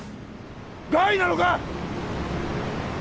害なのか？